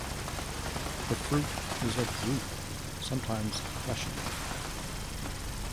The fruit is a drupe, sometimes fleshy.